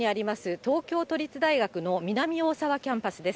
東京都立大学の南大沢キャンパスです。